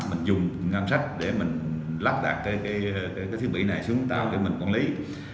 mình dùng ngăn sách để mình lắp đặt cái thiết bị này xuống tao để mình quản lý